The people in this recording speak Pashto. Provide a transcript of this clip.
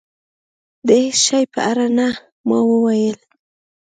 د هېڅ شي په اړه نه. ما وویل.